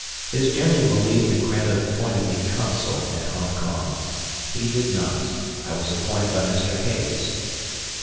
It is generally believed that Grant appointed me consul at Hong Kong. He did not; I was appointed by Mr. Hayes.